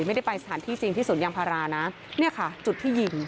ไม่ได้ไปสถานที่จริงที่สวนยางพารานะเนี่ยค่ะจุดที่ยิง